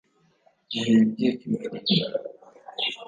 muhimbye imiriri